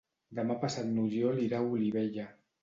Demà passat n'Oriol irà a Olivella.